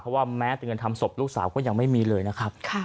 เพราะว่าแม้แต่เงินทำศพลูกสาวก็ยังไม่มีเลยนะครับ